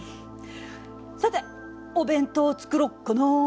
さてお弁当を作ろっかな。